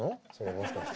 もしかして。